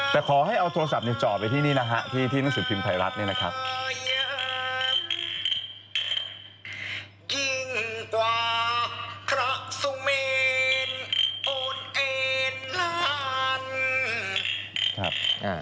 แต่ขอให้เอาโทรศัพท์จ่อไปที่นี่นะฮะที่หนังสือพิมพ์ไทยรัฐเนี่ยนะครับ